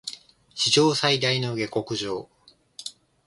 史上最大の下剋上